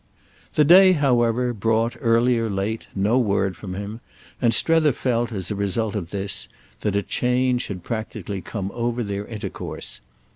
The day, however, brought, early or late, no word from him, and Strether felt, as a result of this, that a change had practically come over their intercourse.